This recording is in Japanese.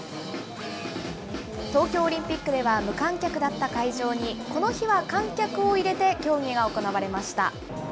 東京オリンピックでは無観客だった会場に、この日は観客を入れて競技が行われました。